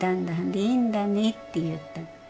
いいんだね」って言った。